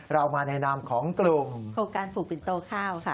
เรามาในนามของกลุ่มโครงการปลูกปิ่นโตข้าวค่ะ